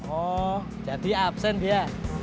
oh jadi absen dia